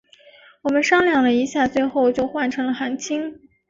我们商量了一下最后就换成了韩青。